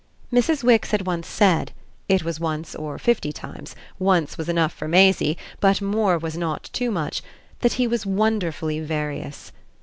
Mrs. Wix had once said it was once or fifty times; once was enough for Maisie, but more was not too much that he was wonderfully various.